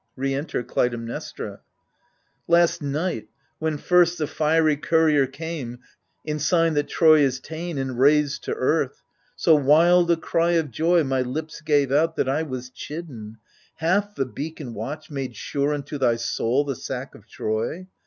Re enter Clytemnestra Last night, when first the fiery courier came, In sign that Troy is ta'en and razed to earth, So wild a cry of joy my lips gave out. That I was chidden — Hath the beacon watch Mcule sure unto thy soul the sack of Troy